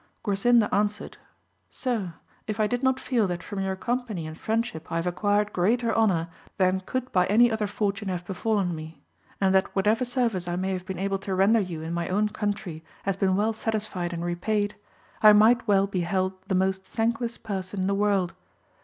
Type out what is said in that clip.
Grasinda answered. Sir, if I did not feel that from your company and friendship I have acquired greater honour than could by any AMADIS OF OAUL. 89 other fortune have befallen me; and that whatever service I may have been able to render you in my own country has been well satisfied and repaid, I might well be held the most thankless person in the world.